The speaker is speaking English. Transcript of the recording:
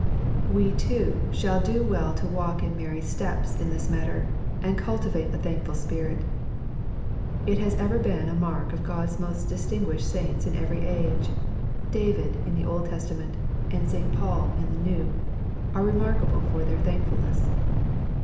We too shall do well to walk in Mary's steps in this matter, and cultivate a thankful spirit. It has ever been a mark of God's most distinguished saints in every age David, in the Old Testament, and St. Paul, in the New, are remarkable for their thankfulness.